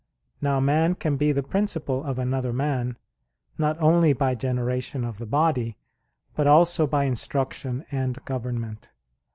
Now man can be the principle of another man, not only by generation of the body, but also by instruction and government.